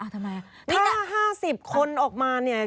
ถ้า๕๐คนออกมาเนี่ย